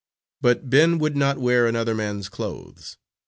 But Ben would not wear another man's clothes.